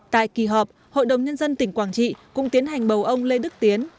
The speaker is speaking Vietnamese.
tại kỳ họp hội đồng nhân dân tỉnh quảng trị cũng tiến hành bầu ông lê đức tiến